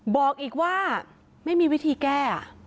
บอกอีกว่าไม่มีวิธีแก้